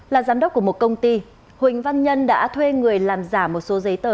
là giám đốc của một công ty huỳnh văn nhân đã thuê người làm giả một số giấy tờ